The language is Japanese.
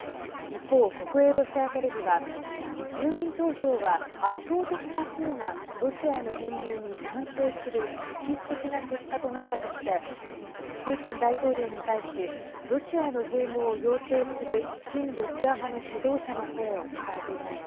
一方、国営ロシアテレビは住民投票は圧倒的多数がロシアへの編入に賛成する歴史的な結果となったとしてプーチン大統領に対しロシアへの併合を要請する親ロシア派の指導者の声を伝えています。